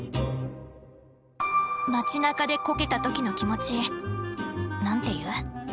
街なかでこけた時の気持ちなんて言う？